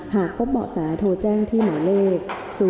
หากพบเบาะแสโทรแจ้งที่หมายเลข๐๔